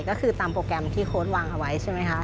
ก็คือตามโปรแกรมที่โค้ดวางเอาไว้ใช่ไหมคะ